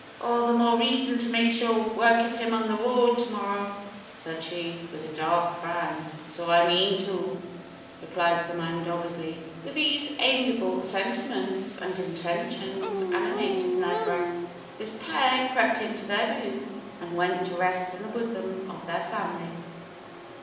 "All the more reason to make sure work of him on the road to morrow!" said she, with a dark frown. "So I mean to!" replied the man doggedly. With these amiable sentiments and intentions animating their breasts, this pair crept into their booth and went to rest in the bosom of their family.